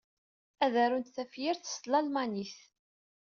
Ad arunt tafyirt s tlalmanit.